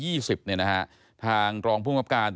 ก็มีการออกรูปรวมปัญญาหลักฐานออกมาจับได้ทั้งหมด